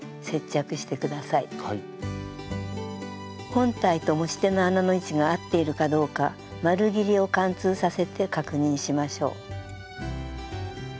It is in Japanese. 本体と持ち手の穴の位置が合っているかどうか丸ぎりを貫通させて確認しましょう。